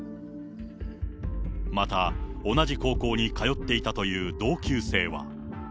また、同じ高校に通っていたという同級生は。